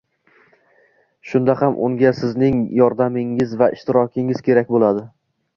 shunda ham unga sizning yordamingiz va ishtirokingiz kerak bo‘ladi.